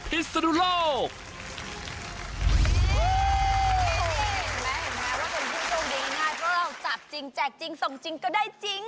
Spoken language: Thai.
แม้เห็นมาว่าคุณผู้โชคดีนะเพราะเราจับจริงแจกจริงส่งจริงก็ได้จริง